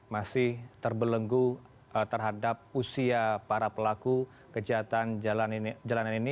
masih terbelenggu terhadap usia para pelaku kejahatan jalanan ini